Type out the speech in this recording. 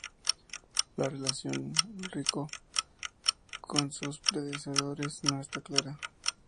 La relación de Ulrico con sus predecesores no está clara.